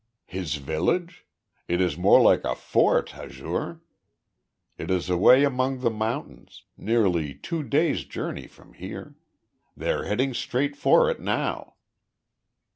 "His village? It is more like a fort, Hazur. It is away among the mountains, nearly two days journey from here. They are heading straight for it now."